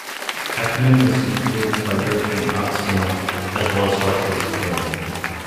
Akerman was influenced by European art cinema, as well as structuralist film.